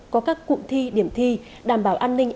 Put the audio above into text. có các cụm thi điểm thi đảm bảo an ninh